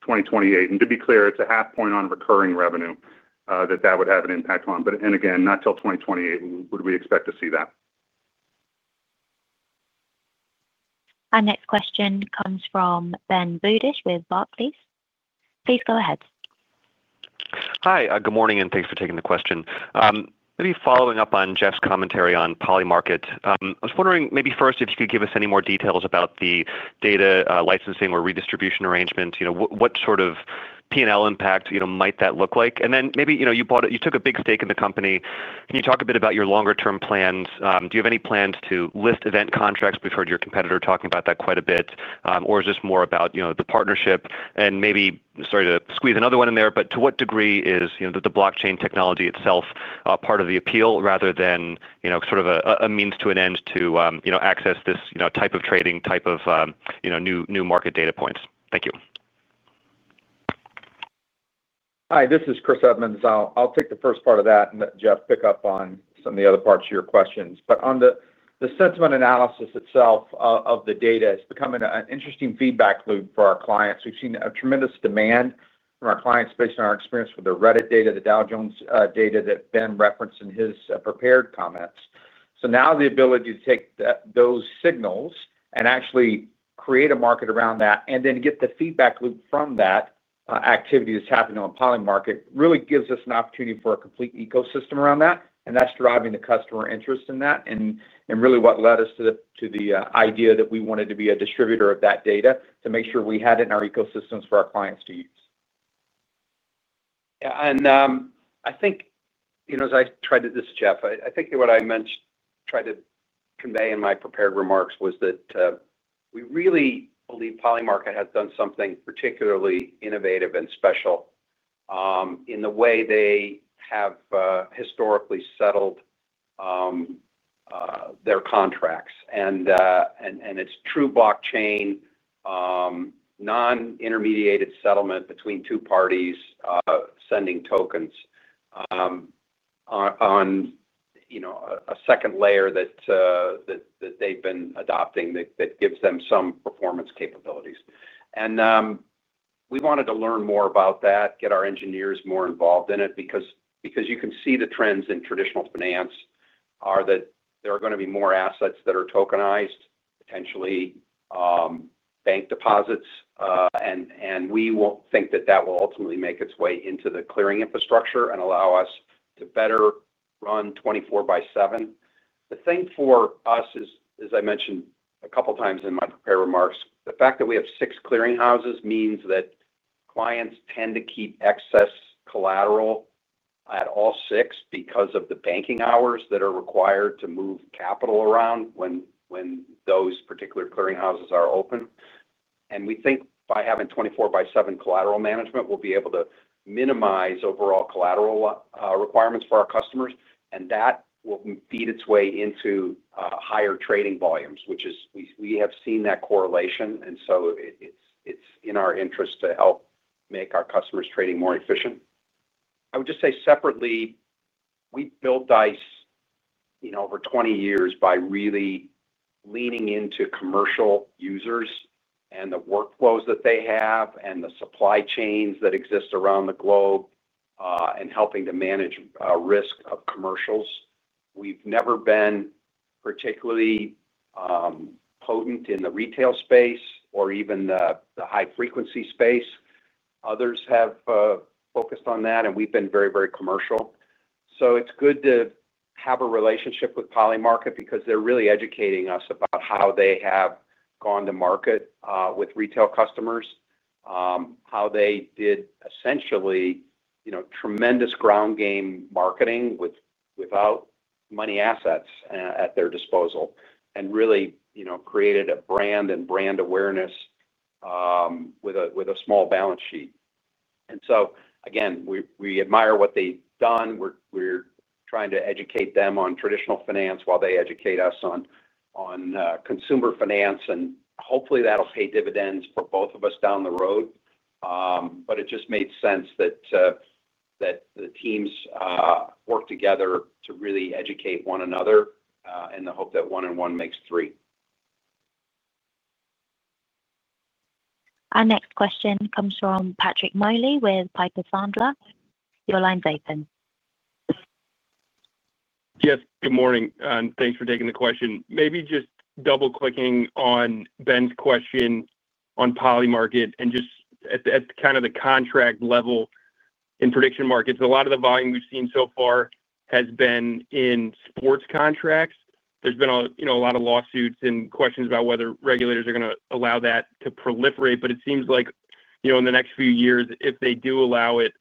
2028. To be clear, it's a half point on recurring revenue that would have an impact, and again, not until 2028 would we expect to see that. Our next question comes from Ben Budish with Barclays. Please go ahead. Hi, good morning, and thanks for taking the question. Maybe following up on Jeff Sprecher's commentary on. Polymarket, I was wondering maybe first if. Could you give us any more details about the data licensing or redistribution arrangement? What sort of P&L impact? Might that look like? Maybe you took a big. Stake in the company. Can you talk a bit about your longer term plans? Do you have any plans to lift event contracts? We've heard your competitor talking about that quite a bit. Is this more about the partnership? Sorry to squeeze another one. In there, to what degree is the blockchain technology itself part of the appeal rather than a means to an end to access this type of trading, type of new market data points? Thank you. Hi, this is Chris Edmonds. I'll take the first part of that. Let Jeff pick up on some. Of the other parts of your questions. On the sentiment analysis itself. The data, it's becoming an interesting feedback loop. Loop for our clients. We've seen a tremendous demand from our clients. Clients based on our experience with the. Reddit data, the Dow Jones data that Ben Jackson referenced in his prepared comments. The ability to take those signals and actually create a market around that and then get the feedback loop from that activity that's happening on Polymarket really gives us an opportunity for a complete ecosystem around that, and that's driving the customer interest in that. That is really what led us to the. idea that we wanted to be a distributor of that data to make sure. We had it in our ecosystems for our clients to use. I think, as I tried to, Jeff, I think what I tried to convey in my prepared remarks was that we really believe Polymarket has done something particularly innovative and special in the way they have historically settled their contracts. It's true blockchain, non-intermediated settlement between two parties, sending tokens on a second layer that they've been adopting that gives them some performance capabilities. We wanted to learn more about that, get our engineers more involved in it, because you can see the trends in traditional finance are that there are going to be more assets that are tokenized, potentially bank deposits, and we think that that will ultimately make its way into the clearing infrastructure and allow us to better run 24 by 7. The thing for us is, as I mentioned a couple times in my prepared remarks, the fact that we have six clearinghouses means that clients tend to keep excess collateral at all six because of the banking hours that are required to move capital around when those particular clearinghouses are open. We think by having 24 by 7 collateral management, we'll be able to minimize overall collateral requirements for our customers and that will feed its way into higher trading volumes, which is, we have seen that correlation. It's in our interest to help make our customers' trading more efficient. I would just say separately, we built ICE over 20 years by really leaning into commercial users and the workflows that they have and the supply chains that exist around the globe and helping to manage risk of commercials. We've never been particularly potent in the retail space or even the high-frequency space. Others have focused on that and we've been very, very commercial. It's good to have a relationship with Polymarket because they're really educating us about how they have gone to market with retail customers, how they did essentially tremendous ground game marketing without money assets at their disposal and really created a brand and brand awareness with a small balance sheet. Again, we admire what they've done. We're trying to educate them on traditional finance while they educate us on consumer finance and hopefully that'll pay dividends for both of us down the road. It just made sense that the teams work together to really educate one another in the hope that one and one makes three. Our next question comes from Patrick Moley with Piper Sandler. Your line's open. Yes, good morning. Thanks for taking the question. Maybe just double clicking on Ben's question on Polymarket and just at kind of the contract level. In prediction markets, a lot of the volume we've seen so far has been in sports contracts. There's been a lot of lawsuits and questions about whether regulators are going to. Allow that to proliferate. It seems like in the next few years, if they do allow it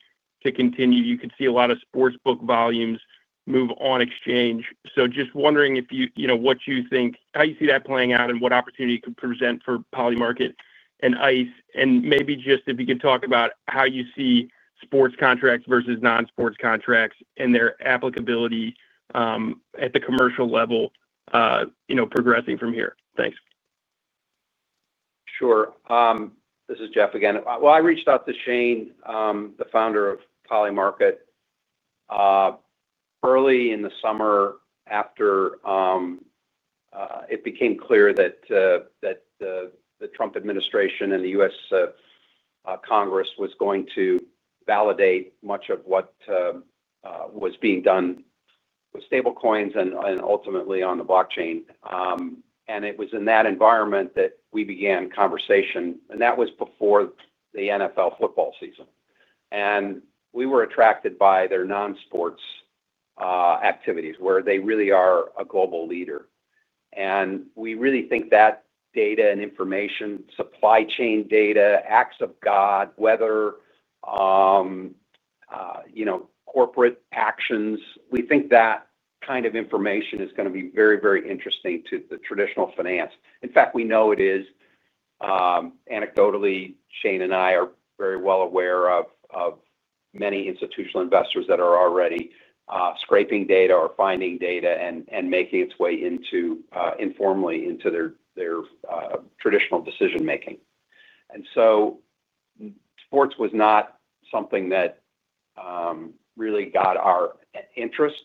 to continue, you could see a lot of sportsbook volumes move on exchange. I'm just wondering if you, you know, what you think, how you see that playing out and what opportunity could present for Polymarket and ICE, and maybe just if you could talk about how you see sports contracts vs non-sports contracts. Their applicability at the commercial level, you know, progressing from here. Thanks. Sure. This is Jeff again. I reached out to Shane, the founder of Polymarket, early in the summer after it became clear that the Trump administration and the U.S. Congress was going to validate much of what was being done with stablecoins and ultimately on the blockchain. It was in that environment that we began conversation and that was before the NFL football season. We were attracted by their non-sports activities where they really are a global leader, and we really think that data and information, supply chain data, acts of God, weather, corporate actions, we think that kind of information is going to be very, very interesting to the traditional finance. In fact, we know it is. Anecdotally, Shane and I are very well aware of many institutional investors that are already scraping data or finding data and making its way informally into their traditional decision making. Sports was not something that really got our interest.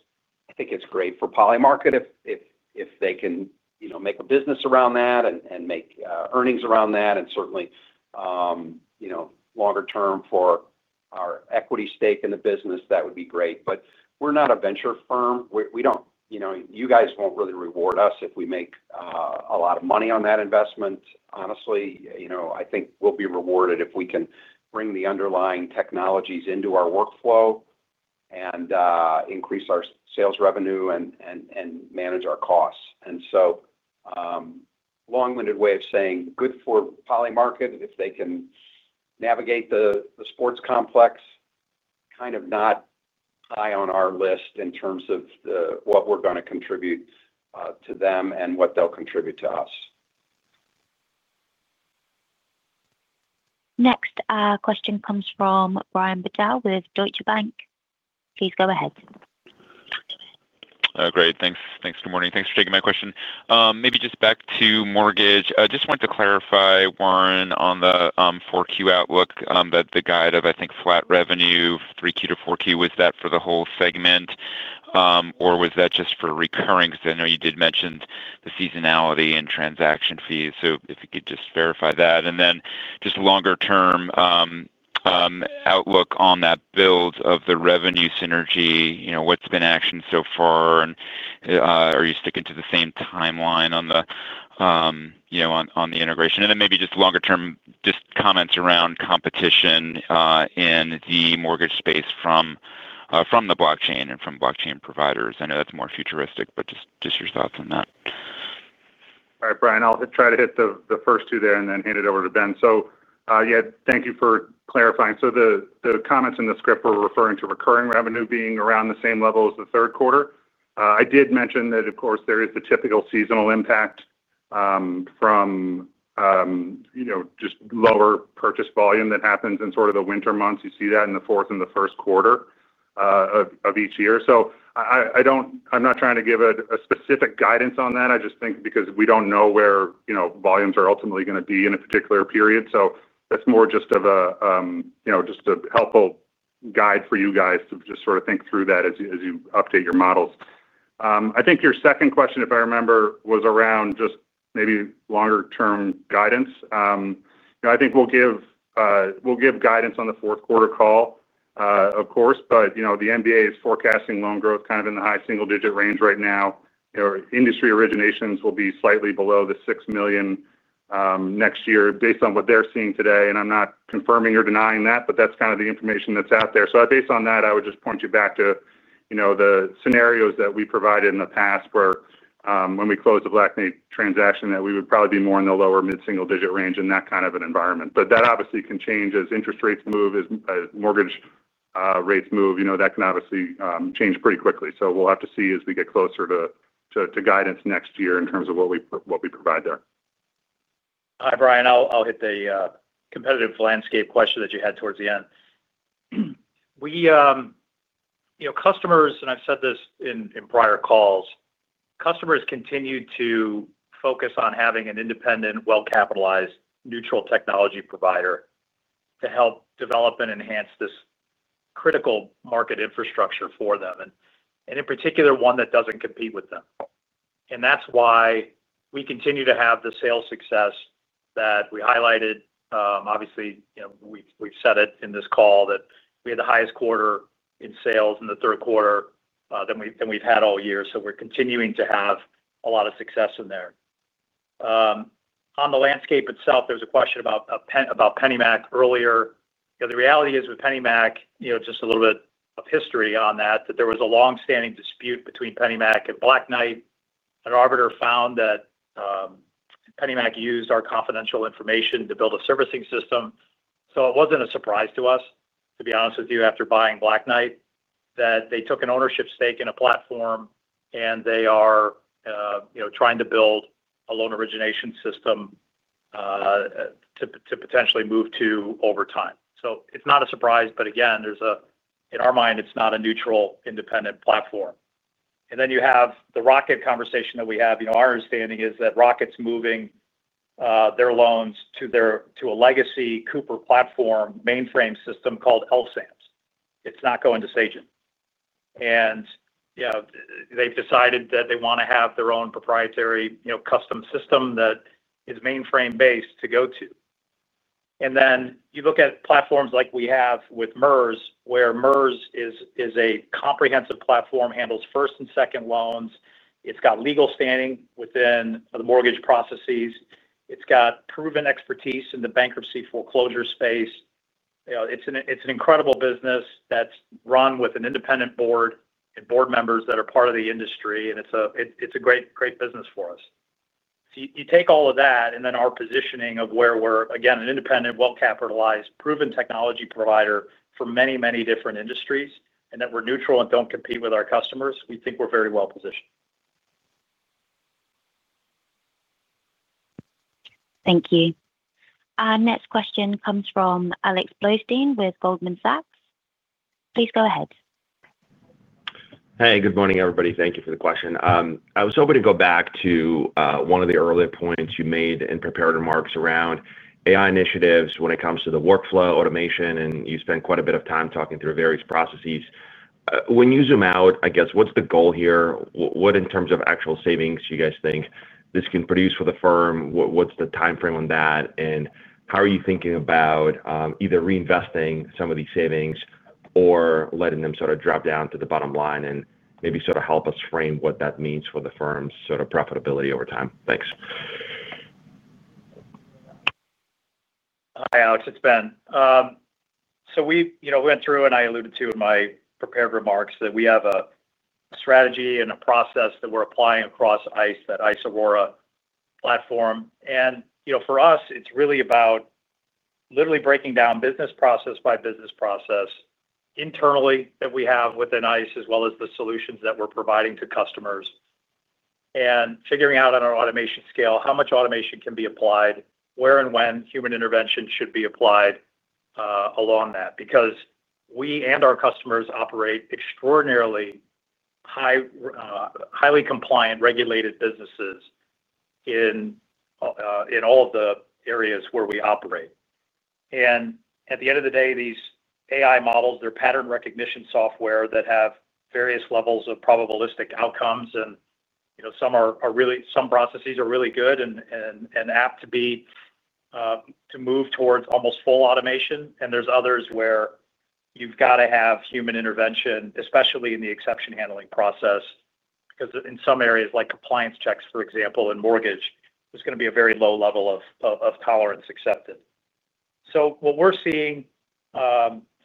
I think it's great for Polymarket if they can make a business around that and make earnings around that and certainly, longer term for our equity stake in the business that would be great. We're not a venture firm. You guys won't really reward us if we make a lot of money on that investment. Honestly, I think we'll be rewarded if we can bring the underlying technologies into our workflow and increase our sales revenue and manage our costs. Long-winded way of saying good for Polymarket if they can navigate the sports complex, kind of not high on our list in terms of what we're going to contribute to them and what they'll contribute to us. Next question comes from Brian Bedell with Deutsche Bank. Please go ahead. Great, thanks. Thanks. Good morning. Thanks for taking my question, maybe just back to mortgage. Just wanted to clarify, Warren, on the 4Q outlook, that the guide of I. Think flat revenue 3Q to 4Q, was that for the whole segment or was. That just for recurring, because I know. You did mention the seasonality in transaction fees, so if you could just verify that and then just longer term outlook on that build of the revenue synergy. What's been action so far, and are you sticking to the same timeline? On the integration and then maybe just longer. Term comments around competition in the mortgage. Space from the blockchain and from blockchain performance. I know that's more futuristic, but just your thoughts on that. All right, Brian, I'll try to hit the first two there and then hand it over to Ben. Thank you for clarifying. The comments in the script were referring to recurring revenue being around the same level as the third quarter. I did mention that, of course, there is the typical seasonal impact from just lower purchase volume. That happens in the winter months. You see that in the fourth and the first quarter of each year. I'm not trying to give a specific guidance on that. I just think because we don't know where volumes are ultimately going to be in a particular period. That's more just a helpful guide for you guys to sort of think through that as you update your models. I think your second question, if I remember, was around maybe longer term guidance. I think we'll give guidance on the fourth quarter call, of course, but the MBA is forecasting loan growth kind of in the high single digit range right now. Industry originations will be slightly below the 6 million next year based on what they're seeing today. I'm not confirming or denying that, but that's kind of the information that's out there. Based on that, I would just point you back to the scenarios that we provided in the past where when we closed the Black Knight transaction that we would probably be more in the lower mid single digit range in that kind of an environment. That obviously continues to change as interest rates move, as mortgage rates move. That can obviously change pretty quickly. We'll have to see as we get closer to guidance next year in terms of what we provide there. Hi Brian, I'll hit the competitive landscape question that you had towards the end. Customers, and I've said this in prior calls, continue to focus on having an independent, well-capitalized, neutral technology provider to help develop and enhance this critical market infrastructure for them, in particular one that doesn't compete with them. That's why we continue to have the sales success that we highlighted. Obviously, we've said it in this call that we had the highest quarter in sales in the third quarter than we've had all year. We're continuing to have a lot of success in there. On the landscape itself, there was a question about PennyMac earlier. The reality is with PennyMac, just a little bit of history on that, there was a longstanding dispute between PennyMac and Black Knight, and an arbiter found that PennyMac used our confidential information to build a servicing system. It wasn't a surprise to us, to be honest with you, after buying Black Knight that they took an ownership stake in a platform and they are trying to build a loan origination system to potentially move to over time. It's not a surprise. In our mind, it's not a neutral independent platform. You have the Rocket conversation that we have. Our understanding is that Rocket's moving their loans to a legacy Cooper platform mainframe system called LSAMS. It's not going to Sagent, and they've decided that they want to have their own proprietary custom system that is mainframe-based to go to. You look at platforms like we have with MERS, where MERS is a comprehensive platform, handles first and second loans, it's got legal standing within the mortgage processes, it's got proven expertise in the bankruptcy foreclosure space. It's an incredible business that's run with an independent board and board members that are part of the industry, and it's a great, great business for us. You take all of that and then our positioning of where we're again an independent, well-capitalized, proven technology provider for many, many different industries and that we're neutral and don't compete with our customers. We think we're very well positioned. Thank you. Our next question comes from Alex Blostein with Goldman Sachs. Please go ahead. Hey, good morning everybody. Thank you for the question. I was hoping to go back to one of the earlier points you made in prepared remarks around AI initiatives when it comes to the workflow automation, and you spend quite a bit of time talking through various processes. When you zoom out, I guess what's the goal here? What in terms of actual savings you guys think this can produce for the firm? What's the timeframe on that, and how are you thinking about either reinvesting some of these savings or letting them sort of drop down to the bottom line, and maybe sort of help us frame what that means for the firm's sort of profitability over time? Thanks. Hi Alex, it's Ben. I alluded to in my prepared remarks that we have a strategy and a process that we're applying across ICE, that ICE Aurora platform. For us, it's really about literally breaking down business process by business process internally that we have within ICE as well as the solutions that we're providing to customers and figuring out on our automation scale how much automation can be applied, where and when human intervention should be applied along that because we and our customers operate extraordinarily highly compliant regulated businesses in all of the areas where we operate. At the end of the day, these AI models, they're pattern recognition software that have various levels of probabilistic outcomes. Some processes are really good and apt to move towards almost full automation, and there's others where you've got to have human intervention, especially in the exception handling process because in some areas like compliance checks, for example in mortgage, there's going to be a very low level of tolerance accepted. What we're seeing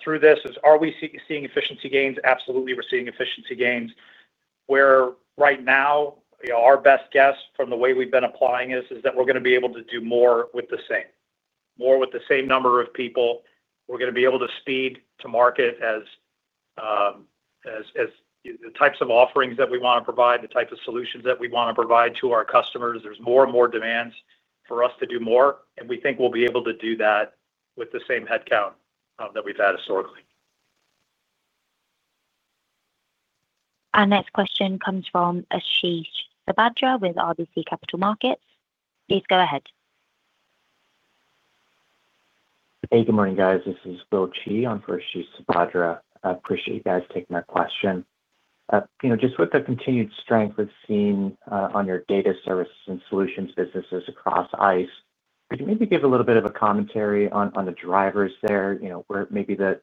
through this is, are we seeing efficiency gains? Absolutely, we're seeing efficiency gains. Right now, our best guess from the way we've been applying this is that we're going to be able to do more with the same, more with the same number of people. We're going to be able to speed to market as the types of offerings that we want to provide, the type of solutions that we want to provide to our customers. There's more and more demands for us to do more, and we think we'll be able to do that with the same headcount that we've had historically. Our next question comes from Ashish Sabadra with RBC Capital Markets. Please go ahead. Hey, good morning guys. This is Ashish Sabadra. I appreciate you guys taking that question. You know, just with the continued strength we've seen on your data services and solutions businesses across ICE, could you maybe give a little bit of a commentary on the drivers there? You know, where maybe the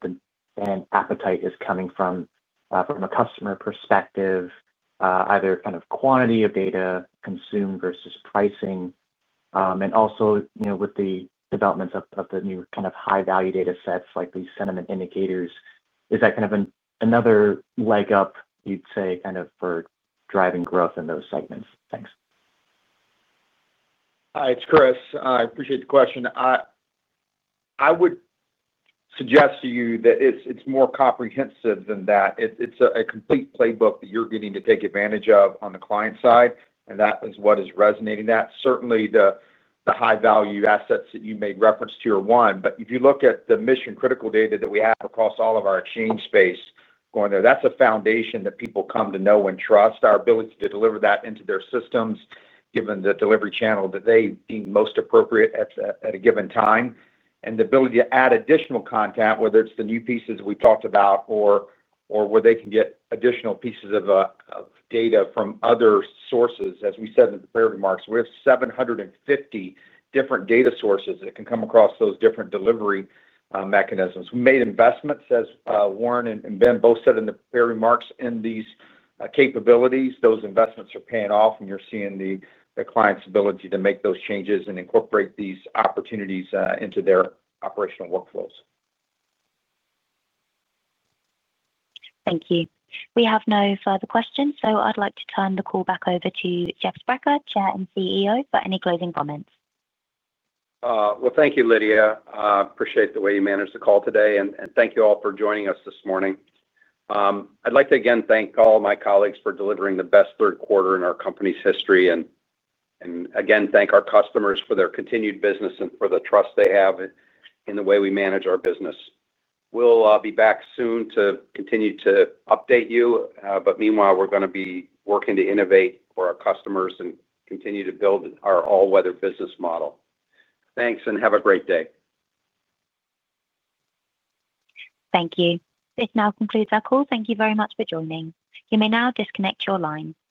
end appetite is coming from a customer perspective, either kind of quantity of data consumed versus pricing, and also with the developments of the new kind of high value data sets like these sentiment indicators, is that kind of another leg up you'd say for driving growth in those segments? Thanks. Hi, it's Chris. I appreciate the question. I would suggest to you that it's more comprehensive than that. It's a complete playbook that you're getting to take advantage of on the client side, and that is what is resonating, that certainly the high value assets that you made reference to, one, but if. You look at the mission-critical data. That we have across all of our exchange space going there. That's a foundation that people come to know and trust. Our ability to deliver that into their Systems, given the delivery channel that they deem most appropriate at a given time and the ability to add additional content, whether it's the new pieces we talked about or where they can get additional pieces of data from other sources. As we said in the prepared remarks, we have 750 different data sources that can come across those different delivery mechanisms. We made investments, as Warren and Ben. Both said in the prepared remarks, in these capabilities, those investments are paying off, and you're seeing the client's ability to make those changes and incorporate these opportunities into their operational workflows. Thank you. We have no further questions. I'd like to turn the call back over to Jeff Sprecher, Chair and CEO, for any closing comments. Thank you, Lydia. Appreciate the way you managed the call today and thank you all for joining us this morning. I'd like to again thank all my colleagues for delivering the best third quarter in our company's history and again thank our customers for their continued business and for the trust they have in the way we manage our business. We'll be back soon to continue to update you. Meanwhile, we're going to be working to innovate for our customers and continue to build our all weather business model. Thanks and have a great day. Thank you. This now concludes our call. Thank you very much for joining. You may now disconnect your lines.